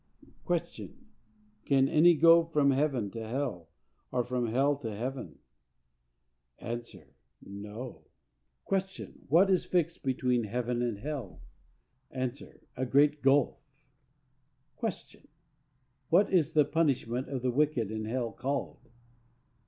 Q. Can any go from heaven to hell, or from hell to heaven?—A. No. Q. What is fixed between heaven and hell?—A. A great gulf. Q. What is the punishment of the wicked in hell called?